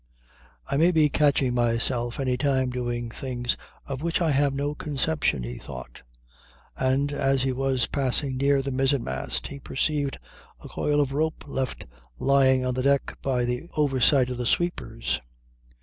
"I may be catching myself any time doing things of which I have no conception," he thought. And as he was passing near the mizzen mast he perceived a coil of rope left lying on the deck by the oversight of the sweepers.